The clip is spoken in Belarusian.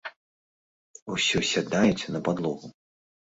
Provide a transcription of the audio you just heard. Усё сядаюць на падлогу.